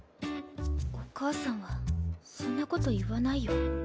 お母さんはそんなこと言わないよ。